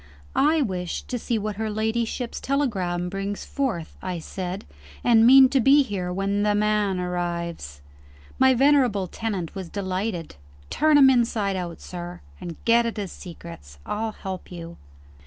"I wish to see what her ladyship's telegram brings forth," I said; "and mean to be here when 'the man' arrives." My venerable tenant was delighted. "Turn him inside out, sir, and get at his secrets. I'll help you."